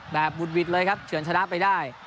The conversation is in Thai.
แบบวุฒิดเลยครับเฉือนชนะไปได้